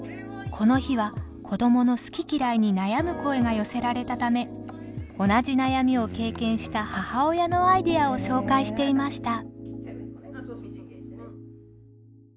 この日は子どもの好き嫌いに悩む声が寄せられたため同じ悩みを経験した母親のアイデアを紹介していました。